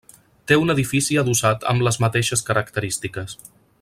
Té un edifici adossat amb les mateixes característiques.